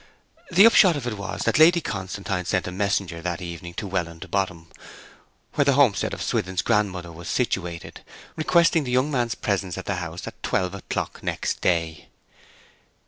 The upshot of it was that Lady Constantine sent a messenger that evening to Welland Bottom, where the homestead of Swithin's grandmother was situated, requesting the young man's presence at the house at twelve o'clock next day.